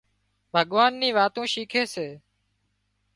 ڀُڳوان ني واتون شيکي سي